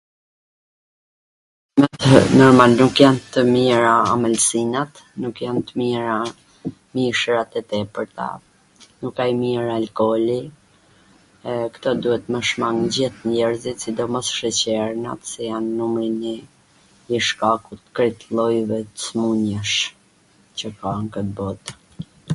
Nuk jan t mira amwlsinat, nuk jan t mira mishrat e tepwrta, nuk a i mir alkoli, e kto duhet me shmang gjith njerzit, sidomos sheqernat si numri nji i shkakut tw shum llojevet smundjesh qw ka n kwt bot.